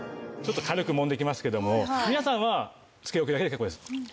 ちょっと軽くもんでいきますけども皆さんはつけ置きだけで結構です。